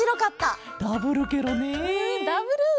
んダブル！